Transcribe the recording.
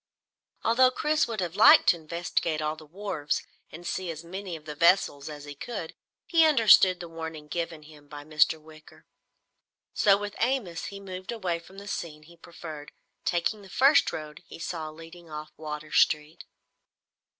Although Chris would have liked to investigate all the wharves and see as many of the vessels as he could, he understood the warning given him by Mr. Wicker. So with Amos he moved away from the scenes he preferred, taking the first road he saw leading off Water Street.